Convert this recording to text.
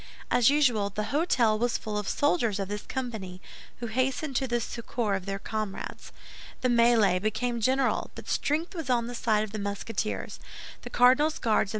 As usual, this hôtel was full of soldiers of this company, who hastened to the succor of their comrades. The mêlée became general, but strength was on the side of the Musketeers. The cardinal's Guards and M.